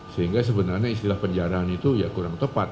sehingga sebenarnya istilah penjarahan itu ya kurang tepat